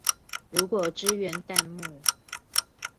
如果支援彈幕